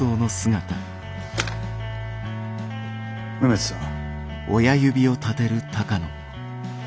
梅津さん。